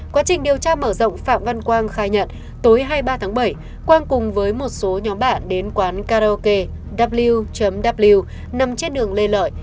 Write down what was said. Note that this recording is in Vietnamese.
quá trình điều tra mở rộng phạm văn quang khai nhận tối hai mươi ba tháng bảy quang cùng với một số nhóm bạn đến quán karaokew nằm trên đường lê lợi